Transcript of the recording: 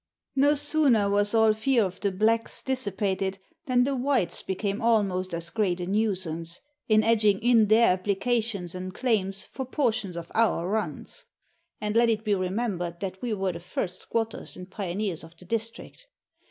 No sooner was all fear of the blacks dissipated than the whites became almost as great a nuisance, in edging in their applications and claims for portions of our runs (and let it be remembered that we were the first squatters and pioneers of the district).